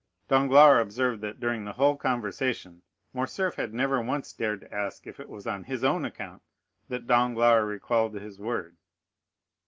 Danglars observed that during the whole conversation Morcerf had never once dared to ask if it was on his own account that Danglars recalled his word.